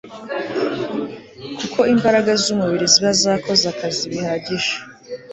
kuko imbaraga zumubiri ziba zakoze akazi bihagije